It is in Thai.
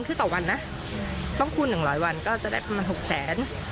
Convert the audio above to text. คือต่อวันนะต้องคูณ๑๐๐วันก็จะได้ประมาณ๖แสน